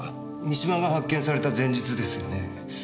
三島が発見された前日ですよね？